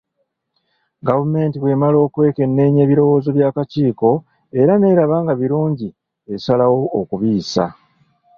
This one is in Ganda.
Gavumenti bw’emala okwekenneenya ebirowoozo by’akakiiko era n’eraba nga birungi esalawo okubiyisa.